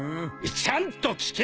［ちゃんと聞け！］